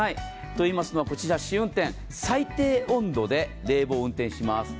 といいますのは、試運転、最低温度で冷房運転します。